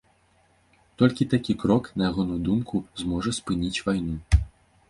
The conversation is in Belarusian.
Толькі такі крок, на ягоную думку, зможа спыніць вайну.